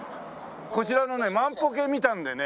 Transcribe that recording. こちらのね万歩計見たのでね。